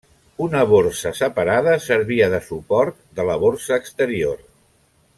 Una borsa separada servia de suport de la borsa exterior.